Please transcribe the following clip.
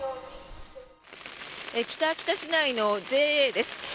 北秋田市内のＪＡです。